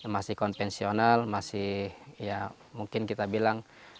masih konvensional masih ya mungkin kita bilang